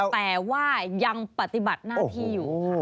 แต่ว่ายังปฏิบัติหน้าที่อยู่ค่ะ